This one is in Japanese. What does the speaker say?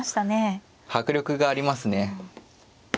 迫力がありますね。